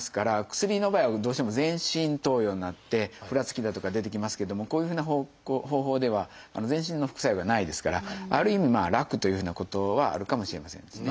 薬の場合はどうしても全身投与になってふらつきだとか出てきますけどもこういうふうな方法では全身の副作用がないですからある意味楽というふうなことはあるかもしれませんですね。